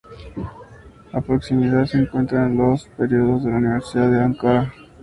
A proximidad se encuentran los predios de la Universidad de Ankara.